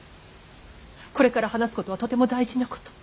これから話すことはとても大事なこと。